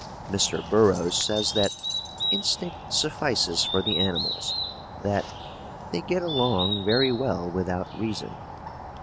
Mr. Burroughs says that "instinct suffices for the animals," that "they get along very well without reason."